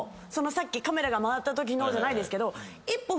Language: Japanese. さっきカメラが回ったときのじゃないですけど一歩。